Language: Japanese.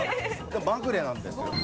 まぐれなんですよ。